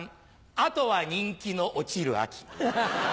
あとは人気の落ちる秋。